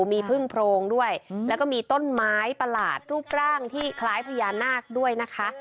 มีพึ่งโพรงด้วยแล้วก็มีต้นไม้ประหลาดรูปร่างที่คล้ายพญานาคด้วยนะคะ